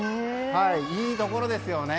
いいところですよね。